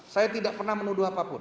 saya tidak pernah menuduh apapun